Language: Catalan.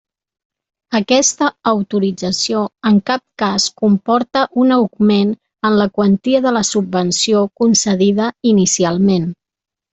Aquesta autorització en cap cas comporta un augment en la quantia de la subvenció concedida inicialment.